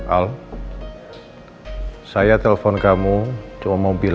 awak mau nanti bisa tarik mobil